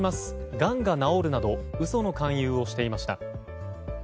がんが治るなど嘘の勧誘をしていました。